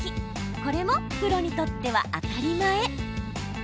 これもプロにとっては当たり前。